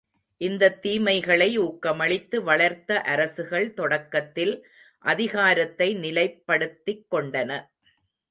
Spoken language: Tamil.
இந்தத் தீமைகளை ஊக்கமளித்து வளர்த்த அரசுகள் தொடக்கத்தில் அதிகாரத்தை நிலைப்படுத்திக் கொண்டன.